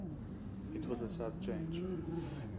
It was a sad change.